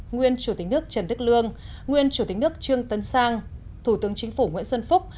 nguyên chủ tịch nước trần đức lương nguyên chủ tịch nước trương tân sang thủ tướng chính phủ nguyễn xuân phúc